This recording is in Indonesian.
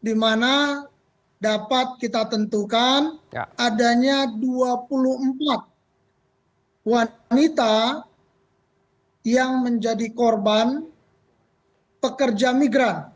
di mana dapat kita tentukan adanya dua puluh empat wanita yang menjadi korban pekerja migran